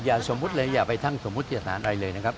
อย่าสมมติเลยอย่าไปทั้งสมมติอย่างนั้นเลยนะครับ